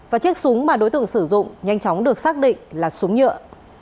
và chiếc súng mà đối tượng sử dụng nhanh chóng được xác định là súng nhựa